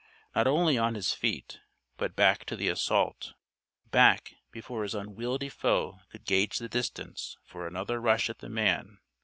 Not only on his feet, but back to the assault. Back, before his unwieldy foe could gauge the distance for another rush at the man.